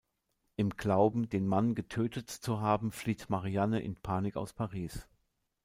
Im Glauben, den Mann getötet zu haben, flieht Marianne in Panik aus Paris.